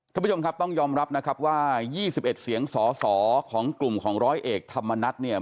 ท่านผู้ชมครับต้องยอมรับนะครับว่า๒๑เสียงสอสอของกลุ่มของร้อยเอกธรรมนัฐเนี่ย